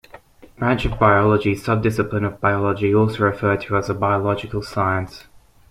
Branch of biology - subdiscipline of biology, also referred to as a biological science.